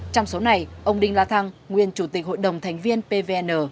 trong số này ông đinh la thăng nguyên chủ tịch hội đồng thành viên pvn